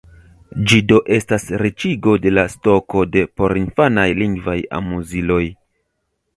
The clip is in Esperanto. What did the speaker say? Ĝi do estas riĉigo de la stoko de porinfanaj lingvaj amuziloj.